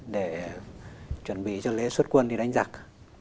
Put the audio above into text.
để chuẩn bị cho lễ xuất quân đi đánh giặc